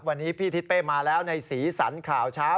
วันนี้พี่ทิศเป้มาแล้วในสีสันข่าวเช้า